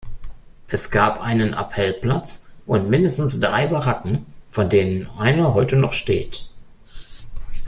Es gab einen Appellplatz und mindestens drei Baracken, von denen eine heute noch steht.